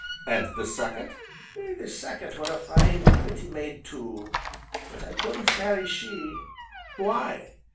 "And the second?" "The second were a fine, pretty maid tu, but I couldn't marry she." "Why?"